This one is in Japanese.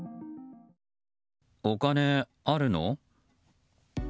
お金あるの？